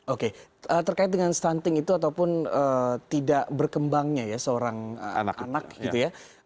oke terkait dengan stunting itu ataupun tidak berkembangnya ya seorang anak anak gitu ya